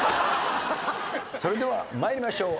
それでは参りましょう。